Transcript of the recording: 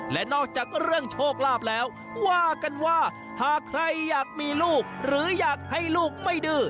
และนอกจากเรื่องโชคลาภแล้วว่ากันว่าหากใครอยากมีลูกหรืออยากให้ลูกไม่ดื้อ